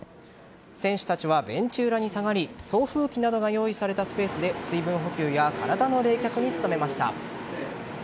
選手たちはベンチ裏に下がり送風機などが用意されたスペースで水分補給や体の冷却に努めました。